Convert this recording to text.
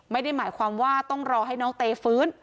ไม่ได้หมายความว่าต้องรอให้น้องเตฟื้น